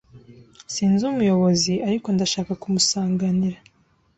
Sinzi umuyobozi ariko ndashaka kumusanganira